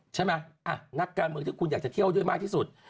นักการเมืองที่คุณอยากจะเที่ยวด้วยมากที่สุด